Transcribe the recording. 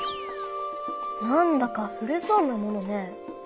なんだか古そうなものね。